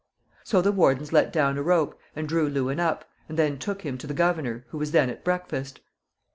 So the wardens let down a rope and drew Lewin up, and then took him to the governor, who was then at breakfast.